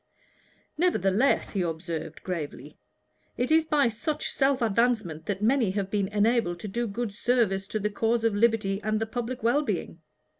"Nevertheless," he observed, gravely, "it is by such self advancement that many have been enabled to do good service to the cause of liberty and to the public well being.